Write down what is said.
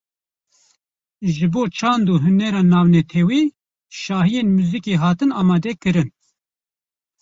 Ji Bo Çand û Hunera Navnetewî, şahiyên muzîkê hatin amade kirin